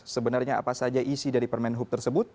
sebenarnya apa saja isi dari permen hub tersebut